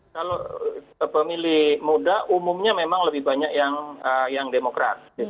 kalau pemilih muda umumnya memang lebih banyak yang demokrat